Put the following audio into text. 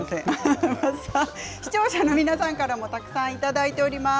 視聴者の皆さんからもたくさんいただいています